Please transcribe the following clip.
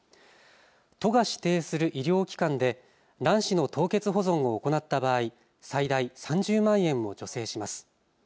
都が指定する医療機関で卵子の凍結保存を行った場合、最大３０万円を助成します。